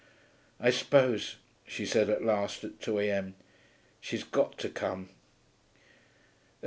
'I suppose,' she said at last, at 2 A.M., 'she's got to come....' At 2.